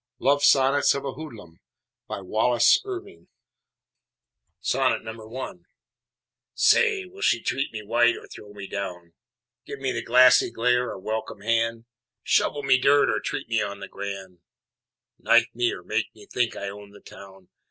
LOVE SONNETS OF A HOODLUM BY WALLACE IRWIN I Say, will she treat me white, or throw me down, Give me the glassy glare, or welcome hand, Shovel me dirt, or treat me on the grand, Knife me, or make me think I own the town?